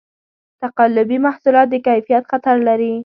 تقلبي محصولات د کیفیت خطر لري.